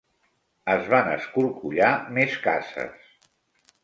Es van escorcollar més cases.